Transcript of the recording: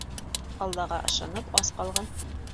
Аллаға ышанып, ас ҡалған.